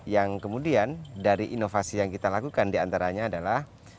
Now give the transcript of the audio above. yang kemudian dari inovasi yang kita lakukan diantaranya adalah